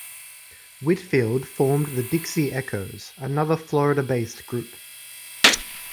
Whitfield formed the Dixie Echoes, another Florida-based group.